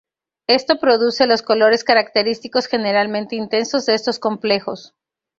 Esto produce los colores característicos, generalmente intensos, de estos complejos.